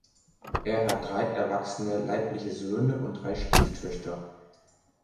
Er hat drei erwachsene leibliche Söhne und drei Stieftöchter.